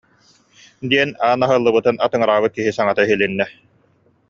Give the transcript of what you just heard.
диэн, аан аһыллыбытын атыҥыраабыт киһи саҥата иһилиннэ